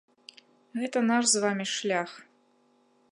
Гэта наш з вамі шлях.